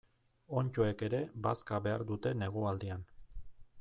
Onddoek ere bazka behar dute negualdian.